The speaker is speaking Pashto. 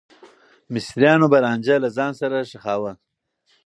مصريان به رانجه له ځان سره ښخاوه.